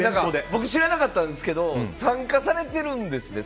僕、知らなかったんですけど参加されてるんですね。